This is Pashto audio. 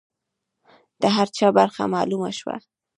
د هر چا برخه معلومه شوه.